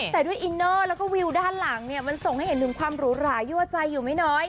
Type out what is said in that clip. แต่ด้วยอิเนอร์ด้านหลังมันส่งให้เห็นความหรูหรายั่วใจอยู่ไม่น้อย